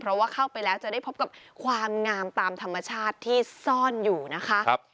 เพราะว่าเข้าไปแล้วจะได้พบกับความงามตามธรรมชาติที่ซ่อนอยู่นะคะ